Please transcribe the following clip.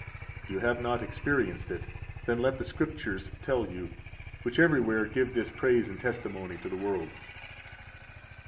If you have not experienced it, then let the Scriptures tell you, which everywhere give this praise and testimony to the world.